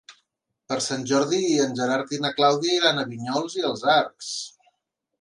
Per Sant Jordi en Gerard i na Clàudia iran a Vinyols i els Arcs.